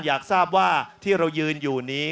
อยากทราบว่าที่เรายืนอยู่นี้